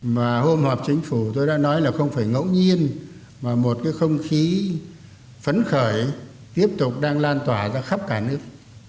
mà hôm họp chính phủ tôi đã nói là không phải ngẫu nhiên mà một cái không khí phấn khởi tiếp tục đang lan tỏa ra khắp cả nước